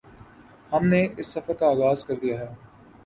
ہم نے اس سفر کا آغاز کردیا ہے